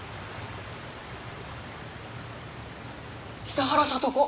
北原さと子